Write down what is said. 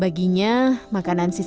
dan kemudian kemudian kemudian kemudian